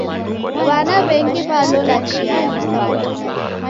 W'ana w'engi w'alola chia ya mapato.